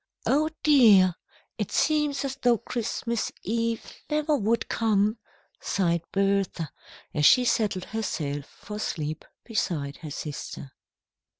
"Oh, dear! it seems as though Christmas Eve never would come," sighed Bertha, as she settled herself for sleep beside her sister.